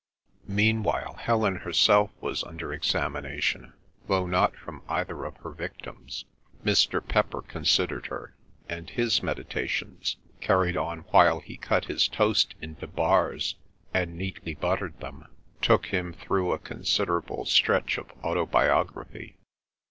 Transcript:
Meanwhile Helen herself was under examination, though not from either of her victims. Mr. Pepper considered her; and his meditations, carried on while he cut his toast into bars and neatly buttered them, took him through a considerable stretch of autobiography.